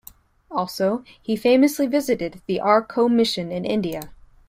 Also, he famously visited the Arcot Mission in India.